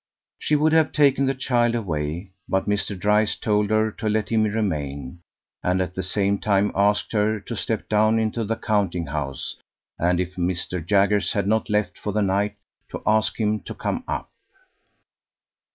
She would have taken the child away, but Mr. Dryce told her to let him remain, and at the same time asked her to step down into the counting house, and if Mr. Jaggers had not left for the night, to ask him to come up.